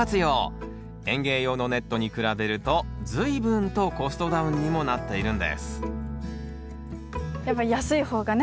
園芸用のネットに比べると随分とコストダウンにもなっているんですやっぱ安い方がね